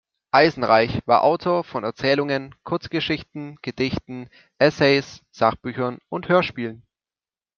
Eisenreich war Autor von Erzählungen, Kurzgeschichten, Gedichten, Essays, Sachbüchern und Hörspielen.